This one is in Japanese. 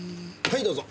はいどうぞ。